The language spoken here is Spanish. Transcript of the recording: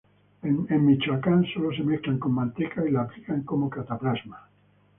En Michoacán sólo se mezclan con manteca y la aplican como cataplasma.